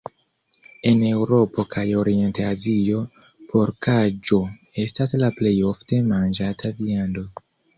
En Eŭropo kaj Orient-Azio porkaĵo estas la plej ofte manĝata viando.